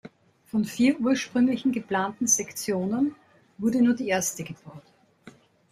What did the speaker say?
Von vier ursprünglich geplanten Sektionen wurde nur die erste gebaut.